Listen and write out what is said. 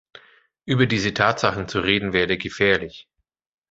Über diese Tatsachen zu reden werde gefährlich.